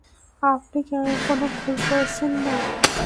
আপনি কোনো ভুল করছেন না।